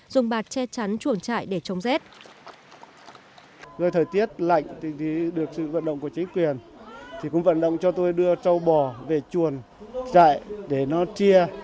dùng bạt che chắn chuồn chạy để chống rét